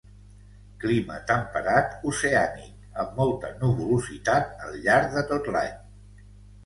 Clima temperat, oceànic, amb molta nuvolositat al llarg de tot l'any.